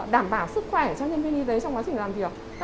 đảm bảo sức khỏe cho nhân viên y tế trong quá trình làm việc